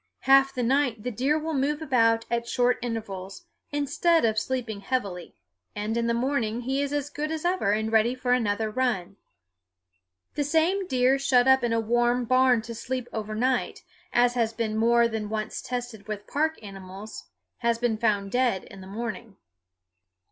Half the night the deer will move about at short intervals, instead of sleeping heavily, and in the morning he is as good as ever and ready for another run. The same deer shut up in a warm barn to sleep overnight, as has been more than once tested with park animals, will be found dead in the morning.